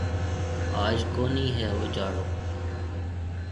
آج ڪونِي هيَ اُجاݪو۔